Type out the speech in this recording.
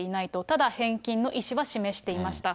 ただ、返金の意思は示していました。